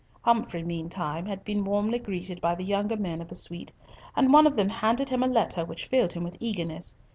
Humfrey meantime had been warmly greeted by the younger men of the suite, and one of them handed him a letter which filled him with eagerness.